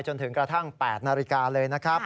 จนถึงกระทั่ง๘นาฬิกาเลยนะครับ